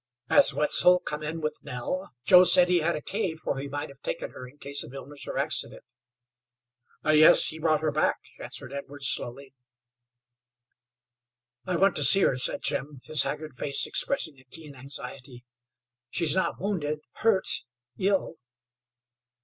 "Has Wetzel come in with Nell? Joe said he had a cave where he might have taken her in case of illness or accident." "Yes, he brought her back," answered Edwards, slowly. "I want to see her," said Jim, his haggard face expressing a keen anxiety. "She's not wounded? hurt? ill?"